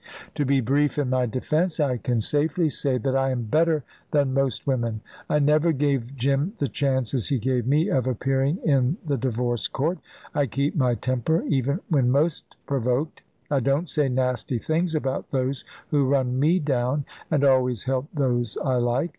To be brief in my defence, I can safely say that I am better than most women. I never gave Jim the chances he gave me of appearing in the divorce court. I keep my temper, even when most provoked. I don t say nasty things about those who run me down, and always help those I like.